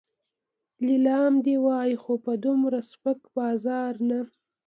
نیلام دې وای خو په دومره سپک بازار نه.